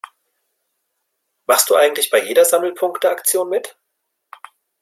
Machst du eigentlich bei jeder Sammelpunkte-Aktion mit?